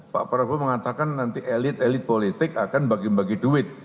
pak prabowo mengatakan nanti elit elit politik akan bagi bagi duit